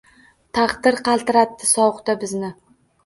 Taqdir qaltiratdi sovuqda bizni.